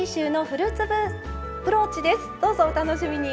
どうぞお楽しみに。